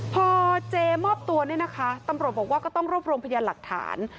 พอเจมอบตัวเนี่ยนะคะตำรวจบอกว่าก็ต้องรวบรวมพยานหลักฐาน